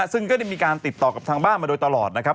ซึ่งก็ได้มีการติดต่อกับทางบ้านมาโดยตลอดนะครับ